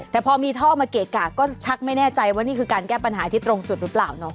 แต่พอมีท่อมาเกะกะก็ชักไม่แน่ใจว่านี่คือการแก้ปัญหาที่ตรงจุดหรือเปล่าเนาะ